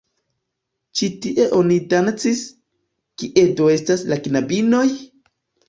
Ĉi tie oni dancis, kie do estas la knabinoj?